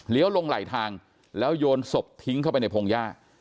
ลงไหลทางแล้วโยนศพทิ้งเข้าไปในพงหญ้า